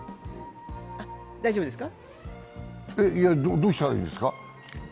どうしたらいいですか？